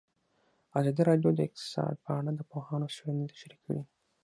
ازادي راډیو د اقتصاد په اړه د پوهانو څېړنې تشریح کړې.